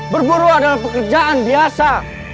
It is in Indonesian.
berburu adalah pekerjaan biasa